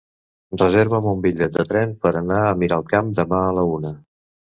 Reserva'm un bitllet de tren per anar a Miralcamp demà a la una.